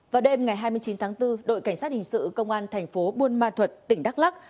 vào đêm ngày hai mươi chín tháng bốn đội cảnh sát hình sự công an thành phố buôn ma thuật tỉnh đắk lắc